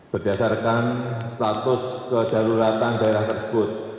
berdasarkan status kedaruratan daerah tersebut